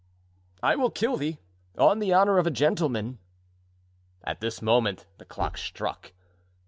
"I will kill thee, on the honor of a gentleman." At this moment the clock struck.